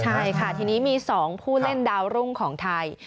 ใช่ค่ะทีนี้มี๒ผู้เล่นดาวรุ่งของไทย